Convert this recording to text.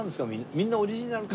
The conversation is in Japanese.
みんなオリジナルか。